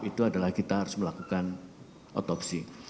itu adalah kita harus melakukan otopsi